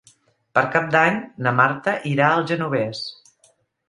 Per Cap d'Any na Marta irà al Genovés.